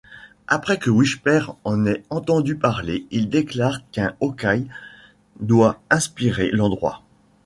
Après que Whisper en ait entendu parler, il déclare qu'un Yo-kai doit inspirer l'endroit.